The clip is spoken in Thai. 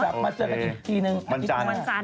จับมาเจอกันอีกที่หนึ่งวันจันทร์